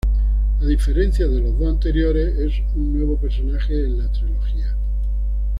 A diferencia de los dos anteriores es un nuevo personaje en la trilogía.